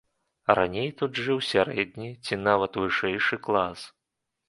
Раней тут жыў сярэдні ці нават вышэйшы клас.